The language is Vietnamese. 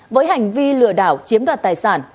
với hành vi lừa đảo chiếm đoạt tài sản